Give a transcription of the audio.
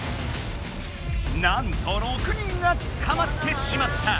なんと６人がつかまってしまった。